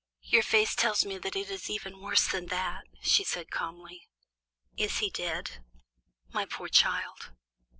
"Your face tells me that it is even worse than that," she said, calmly. "Is he dead?" "My poor child!"